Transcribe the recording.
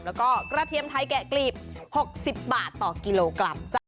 แล้วก็กระเทียมไทยแกะกลีบ๖๐บาทต่อกิโลกรัมจ้ะ